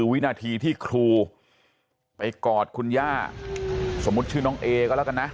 วินาทีที่ครูไปกอดคุณย่าสมมุติชื่อน้องเอก็แล้วกันนะ